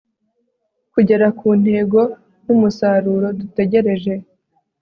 kugera ku ntego n'umusaruro dutegereje